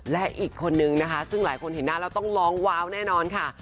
และอีกคนนึงนะคะซึ่งหลายคนเห็นหน้าแล้วต้องร้องว้าวแน่นอนค่ะ